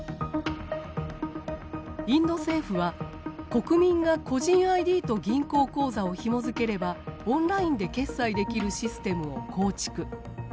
インド政府は国民が個人ＩＤと銀行口座をひもづければオンラインで決済できるシステムを構築。